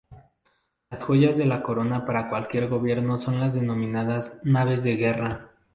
Las joyas de la corona para cualquier gobierno son las denominadas Naves de Guerra.